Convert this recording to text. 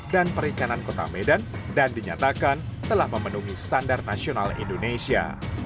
dan perikanan kota medan dan dinyatakan telah memenuhi standar nasional indonesia